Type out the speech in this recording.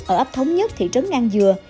ở ấp thống nhất thị trấn ngang dừa